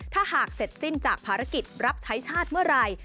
ถ้าหากเสร็จสิ้นจากภารกิจรับใช้ชาติเมื่อไหร่